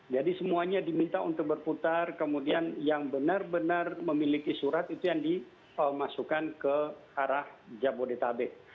jadi semuanya diminta untuk berputar kemudian yang benar benar memiliki surat itu yang dimasukkan ke arah jabodetabek